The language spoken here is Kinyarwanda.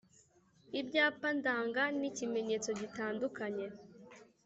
Ibyapa ndanga n'ikimenyetso gitandukanye